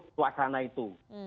mempergeruh suasana itu